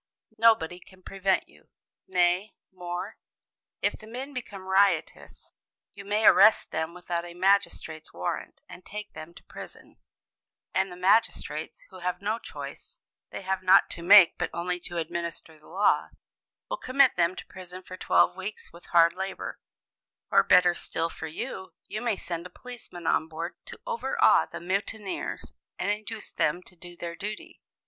Nobody can prevent you. Nay, more, if the men become riotous, you may arrest them without a magistrate's warrant, and take them to prison, and the magistrates, who have no choice (they have not to make, but only to administer the law), will commit them to prison for twelve weeks with hard labor; or better still for you, you may send a policeman on board to overawe the mutineers, and induce them to do their duty!